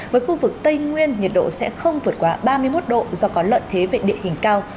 với khu vực tây nguyên nhiệt độ sẽ không vượt qua ba mươi một độ do có lợi thế về địa hình cao